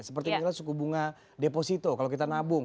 seperti misalnya suku bunga deposito kalau kita nabung